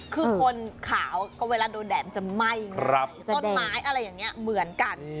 คือคนขาวก็เวลาโดนแดดจะไหม้ต้นไม้อะไรอย่างนี้เหมือนกัน